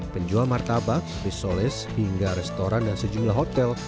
penjual martabak bisoles hingga restoran dan sejumlah hotel